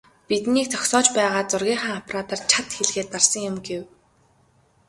"Биднийг зогсоож байгаад зургийнхаа аппаратаар чад хийлгээд дарсан юм" гэв.